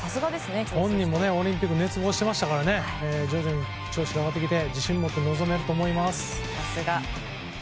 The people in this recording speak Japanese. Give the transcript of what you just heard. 本人もオリンピックを熱望してましたから徐々に調子が上がってきて自信を持って臨めると思います。